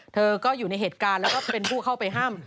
เธอก็อยู่ในเหตุการณ์แล้วก็เป็นผู้เข้าไปห้าม